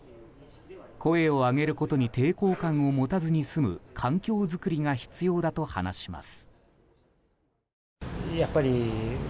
声を上げることに抵抗感を持たずに済む環境作りが必要だと話します。